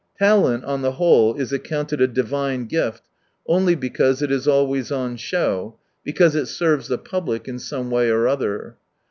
Talent, on the whole, is accounted a divine gift, only because it is always on show, because it serves the public in some way or other.